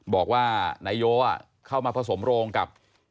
บอกว่านายโยเข้ามาผสมโรงกับ